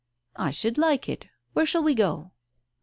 " I should like it. Where shall we go